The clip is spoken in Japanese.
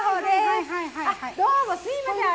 あどうもすいません